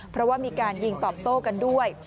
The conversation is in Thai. เพราะว่ามีการยิงตอบโต้กันด้วย